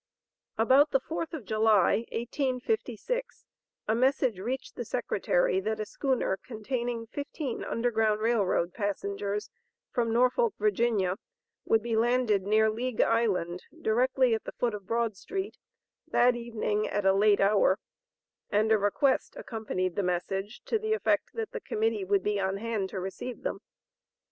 About the 4th of July, 1856, a message reached the Secretary that a schooner containing fifteen Underground Rail Road passengers, from Norfolk, Virginia, would be landed near League Island, directly at the foot of Broad street, that evening at a late hour, and a request accompanied the message, to the effect that the Committee would be on hand to receive them.